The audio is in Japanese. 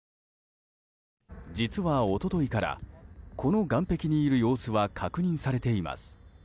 実は一昨日からこの岸壁にいる様子は確認されています。